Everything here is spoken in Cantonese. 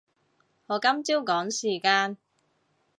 我今朝趕時間